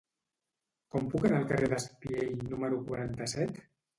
Com puc anar al carrer d'Espiell número quaranta-set?